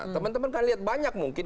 teman teman kan lihat banyak mungkin